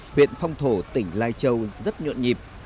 huyện phong thổ tỉnh lai châu rất nhuận nhịp